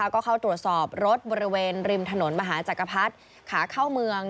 ก็เข้าตรวจสอบรถบริเวณริมถนนมหาจักรพรรดิขาเข้าเมือง